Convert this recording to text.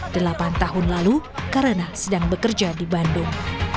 delapan tahun lalu karena sedang bekerja di bandung